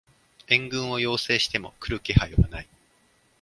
援軍を要請しても来る気配はない